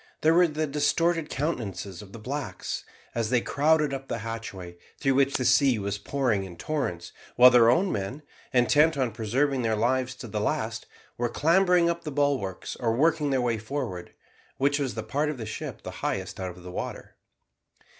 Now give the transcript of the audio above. There were the distorted countenances of the blacks, as they crowded up the hatchway, through which the sea was pouring in torrents, while their own men, intent on preserving their lives to the last, were clambering up the bulwarks or working their way forward, which was the part of the ship the highest out of the water.